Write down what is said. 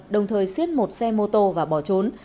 đồng thời xiết một xe mô tô và bỏ trốn